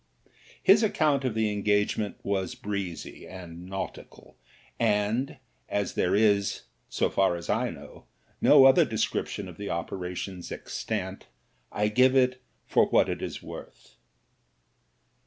His account of the engagement was breezy and nautical ; and as there is, so far as I know, no other description of the operations extant, I give it for what it is worth.